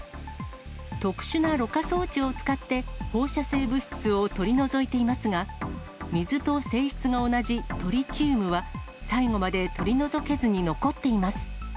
特殊なろ過装置を使って、放射性物質を取り除いていますが、水と性質の同じトリチウムは、最後まで取り除けずに残っています。